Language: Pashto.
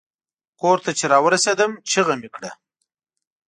کور ته چې را ورسیدم چیغه مې کړه.